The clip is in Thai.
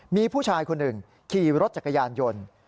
มีผู้ชายคนหนึ่งขี่รถจักรยานยนต์